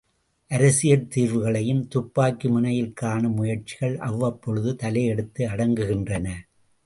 அரசியல் தீர்வுகளையும் துப்பாக்கி முனையில் காணும் முயற்சிகள் அவ்வப்பொழுது தலையெடுத்து அடங்குகின்றன.